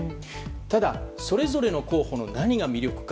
ただ、それぞれの候補の何が魅力か。